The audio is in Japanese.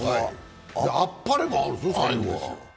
あっぱれもあるんでしょ、最後は？